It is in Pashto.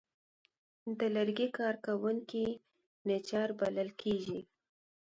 د لرګي کار کوونکي نجار بلل کېږي.